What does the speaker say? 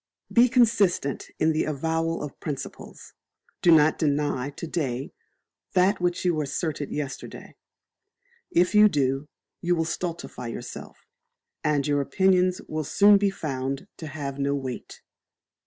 Be consistent in the avowal of Principles. Do not deny to day that which you asserted yesterday. If you do, you will stultify yourself, and your opinions will soon be found to have no weight.